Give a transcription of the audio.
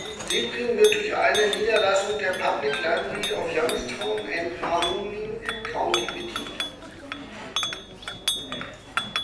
Sebring wird durch eine Niederlassung der Public Library of Youngstown and Mahoning County bedient.